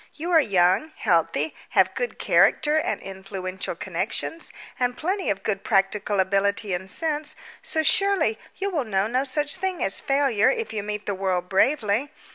You are young, healthy, have good character and influential connections, and plenty of good practical ability and sense, so, surely, you will know no such thing as failure if you meet the world bravely.